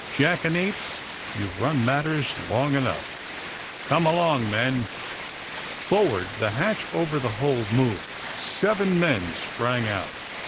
Jackanapes, you've run matters long enough. Come along, men." Forward the hatch over the hold moved* Seven men sprang out.